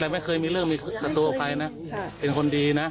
แต่ไม่เคยมีสตัวใครเป็นคนดีนะ